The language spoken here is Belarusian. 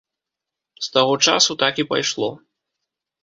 З таго часу так і пайшло.